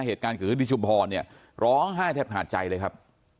เหตุการณ์คือดิจุพรเนี่ยร้องไห้แทบหาดใจเลยครับ